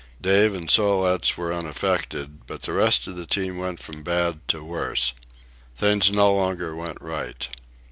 Dave and Sol leks were unaffected, but the rest of the team went from bad to worse. Things no longer went right.